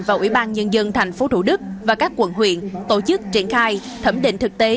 và ủy ban nhân dân tp hcm và các quận huyện tổ chức triển khai thẩm định thực tế